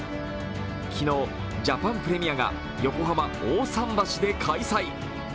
昨日、ジャパンプレミアが横浜・大さん橋で開催。